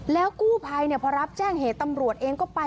แล้วกู้ภัยพอรับแจ้งเหตุตำรวจเองก็ไป